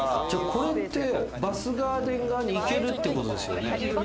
これバスガーデン側に行けるってことですよね。